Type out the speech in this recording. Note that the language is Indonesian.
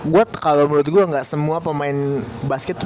gua kalo menurut gua gak semua pemain basket itu